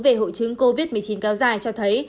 về hội chứng covid một mươi chín kéo dài cho thấy